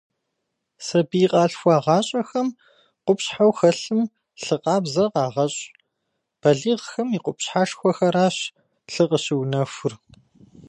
Сабий къалъхуагъащӏэхэм къупщхьэу хэлъым лъы къабзэ къагъэщӏ, балигъым и къупщхьэшхуэхэращ лъыр къыщыунэхур.